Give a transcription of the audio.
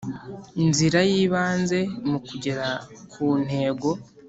nzira y ibanze mu kugera ku Ntego